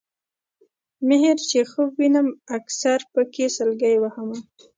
مِهر چې خوب وینم اکثر پکې سلګۍ وهمه